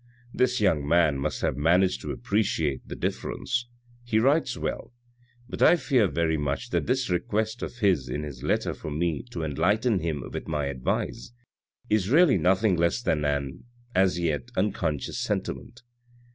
This young man must have managed to appreciate the difference; he writes well, but I fear very much that this request of his in his letter for me to enlighten him with my advice, is really nothing less than an, as yet, unconscious sentiment.